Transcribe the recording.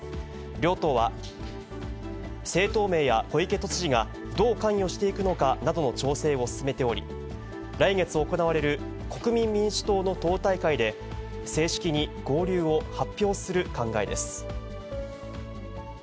両党は、政党名や小池都知事がどう関与していくのかなどの調整を進めており、来月行われる国民民主党の党大会で、正式に合流を発表する考えです。